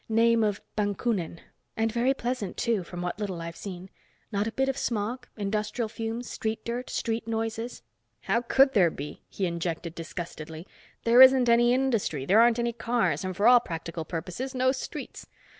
"Name of Bakunin. And very pleasant, too, from what little I've seen. Not a bit of smog, industrial fumes, street dirt, street noises—" "How could there be?" he injected disgustedly. "There isn't any industry, there aren't any cars, and for all practical purposes, no streets.